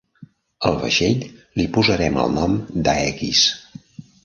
Al vaixell li posarem el nom d'Aegis.